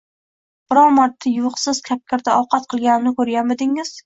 Biror marta yuviqsiz kapgirda ovqat qilganimni ko`rganmidingiz